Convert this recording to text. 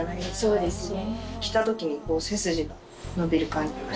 そうですね。